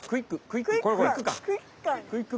クイック。